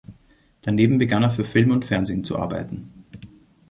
Daneben begann er für Film und Fernsehen zu arbeiten.